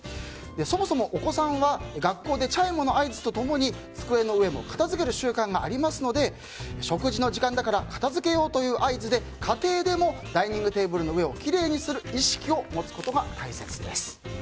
そもそもお子さんは学校でチャイムの合図と共に机の上も片付ける習慣がありますので食事の時間だから片付けようという合図で家庭でもダイニングテーブルの上をきれいにする意識を持つことが大切です。